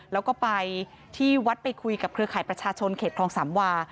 แล้วก็ไปที่วัดไปคุยกับเครือข่ายประชาชนเขตคลองสามวา